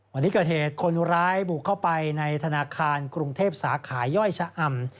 วันนี้เกิดเหตุคนร้ายบุกเข้าไปในธนาคารกรุงเทพสาขาย่อยชะอำ